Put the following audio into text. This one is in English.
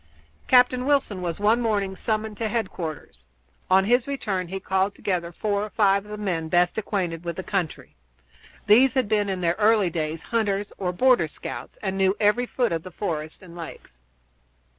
Captain Wilson was one morning summoned to headquarters. On his return he called together four or five of the men best acquainted with the country. These had been in their early days hunters or border scouts, and knew every foot of the forest and lakes.